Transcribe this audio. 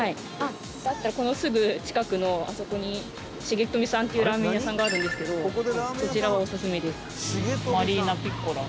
だったらこのすぐ近くの、あそこにシゲトミさんっていうラーメン屋さんがあるんですけどそちらは、オススメです。